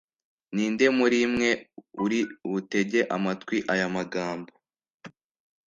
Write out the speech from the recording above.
Ni nde muri mwe uri butege amatwi aya magambo,